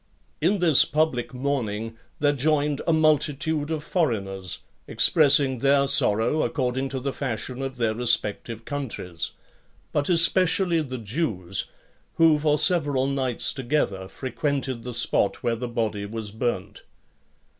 In this public mourning there joined a multitude of foreigners, expressing their sorrow according to the fashion of their respective countries; but especially the Jews , who for several nights together frequented the spot where the body was burnt.